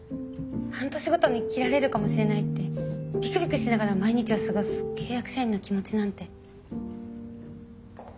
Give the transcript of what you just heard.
半年ごとに切られるかもしれないってビクビクしながら毎日を過ごす契約社員の気持ちなんて。